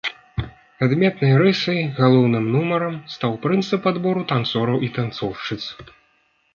Адметнай рысай, галоўным нумарам, стаў прынцып адбору танцораў і танцоўшчыц.